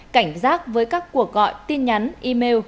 cảnh giác với các cuộc gọi tin nhắn email